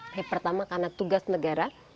yang pertama karena tugas negara